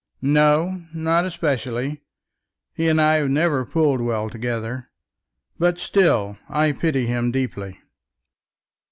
"No, not especially. He and I have never pulled well together; but still I pity him deeply."